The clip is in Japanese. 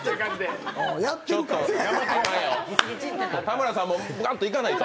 田村さんもガンといかないと。